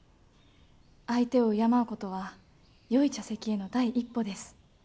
相手を敬うことはよい茶席への第一歩です。